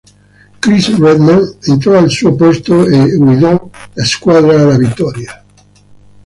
Chris Redman entrò al suo posto e guidò la squadra alla vittoria.